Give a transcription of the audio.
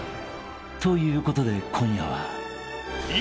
［ということで今夜は］